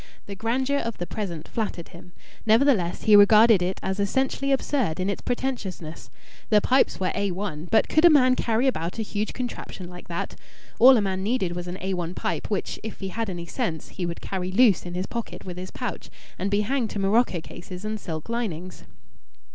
The grandeur of the present flattered him. Nevertheless he regarded it as essentially absurd in its pretentiousness. The pipes were A1, but could a man carry about a huge contraption like that? All a man needed was an A1 pipe, which, if he had any sense, he would carry loose in his pocket with his pouch and be hanged to morocco cases and silk linings!